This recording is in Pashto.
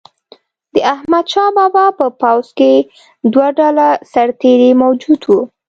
د احمدشاه بابا په پوځ کې دوه ډوله سرتیري موجود وو.